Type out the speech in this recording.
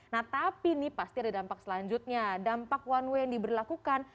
nah tapi nih pasti ada dampak selanjutnya dampak one way yang diberlakukan